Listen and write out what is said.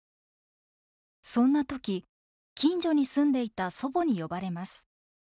そんな時近所に住んでいた祖母に呼ばれます。